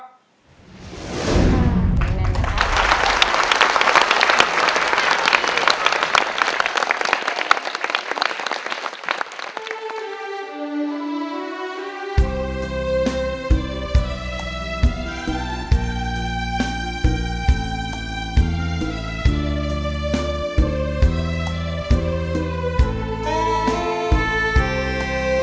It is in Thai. สมาธิพร้อมเพลงพร้อมร้องได้ให้ร้านเพลงที่สองเพลงมาครับ